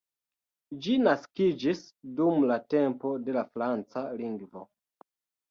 Ĝi naskiĝis dum la tempo de la franca lingvo.